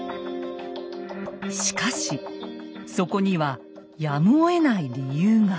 しかしそこにはやむをえない理由が。